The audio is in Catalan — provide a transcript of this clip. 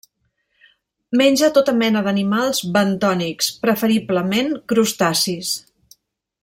Menja tota mena d'animals bentònics, preferiblement crustacis.